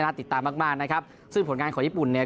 ติดตามมากมากนะครับซึ่งผลงานของญี่ปุ่นเนี่ย